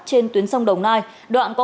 trên tuyến sông đồng nai đoạn qua